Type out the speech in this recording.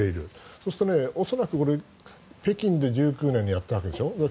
そうすると恐らく北京で１９年にやったわけでしょ